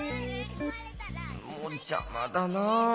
もうじゃまだな。